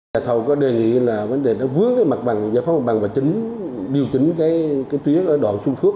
tài thầu có đề nghị là vấn đề nó vướng cái mặt bằng giải phóng mặt bằng và điều chỉnh cái tuyến ở đoạn xuân phước